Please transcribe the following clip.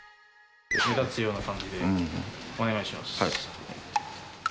目立つような感じでお願いしはい。